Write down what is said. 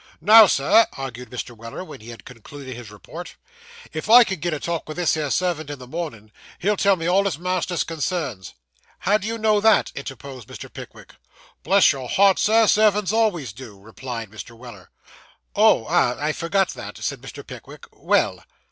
'Now, sir,' argued Mr. Weller, when he had concluded his report, 'if I can get a talk with this here servant in the mornin', he'll tell me all his master's concerns.' 'How do you know that?' interposed Mr. Pickwick. 'Bless your heart, sir, servants always do,' replied Mr. Weller. 'Oh, ah, I forgot that,' said Mr. Pickwick. 'Well.